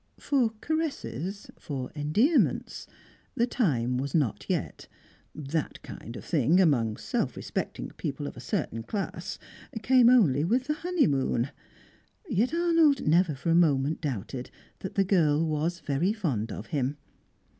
For caresses, for endearments, the time was not yet; that kind of thing, among self respecting people of a certain class, came only with the honeymoon. Yet Arnold never for a moment doubted that the girl was very fond of him.